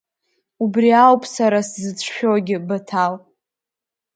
Убри ауп сара сзыцәшәогьы, Баҭал.